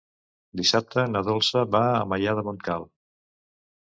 Dissabte na Dolça va a Maià de Montcal.